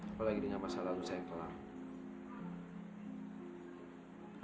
apalagi dengan masa lalu saya yang kelar